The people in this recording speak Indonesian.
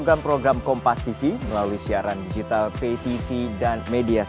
sampai dengan hari ini dapat berjalan dengan tertib aman dan lancar